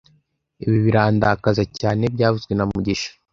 Ibi birandakaza cyane byavuzwe na mugisha